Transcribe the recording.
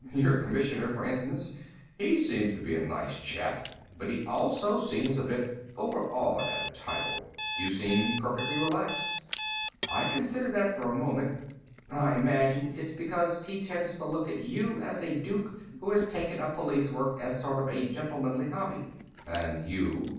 Your Commissioner, for instance. He seems quite a nice chap, but he also seems a bit overawed at a title. You seem perfectly relaxed." I considered that for a moment. "I imagine it's because he tends to look at you as a Duke who has taken up police work as a sort of gentlemanly hobby." "And you?"